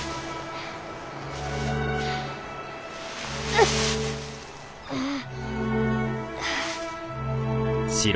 うっああ。